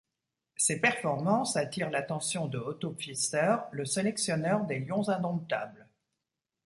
Ses performances attirent l'attention de Otto Pfister, le sélectionneur des Lions indomptables.